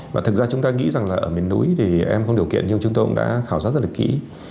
và thực ra chúng ta nghĩ rằng là ở miền núi thì em không điều kiện nhưng chúng tôi cũng đã khảo sát rất là kỹ